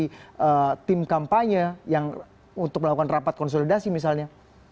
dari tim kampanye yang untuk melakukan rapat konsolidasi misalnya